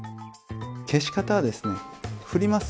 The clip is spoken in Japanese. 消し方はですね振ります。